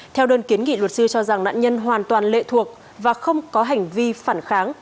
theo đơn kiến nghị luật sư cho rằng nạn nhân hoàn toàn lệ thuộc và không có hành vi phản kháng